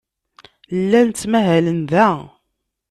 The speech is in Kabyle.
Llan ttmahalen da.